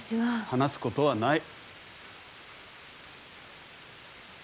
話すことはない。